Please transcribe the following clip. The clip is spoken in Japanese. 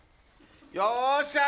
よっしゃ！